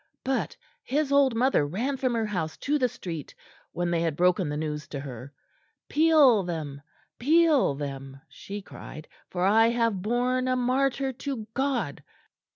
But his old mother ran from her house to the street when they had broken the news to her: 'Peal them, peal them!' she cried, 'for I have borne a martyr to God.'"